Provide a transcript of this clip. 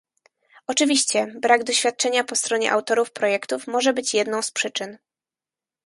Oczywiście, brak doświadczenia po stronie autorów projektów może być jedną z przyczyn